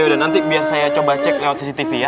yaudah nanti biar saya coba cek lewat cctv ya